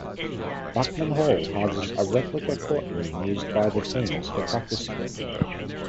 Buckman Hall houses a replica courtroom used by the teams for practicing.